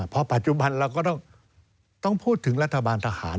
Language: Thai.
พอปัจจุบันเราก็ต้องพูดถึงรัฐบาลทหาร